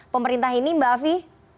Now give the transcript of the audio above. pemerintah ini mbak afi